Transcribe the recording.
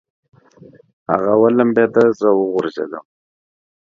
هغه ولمبېده، زه وغورځېدم.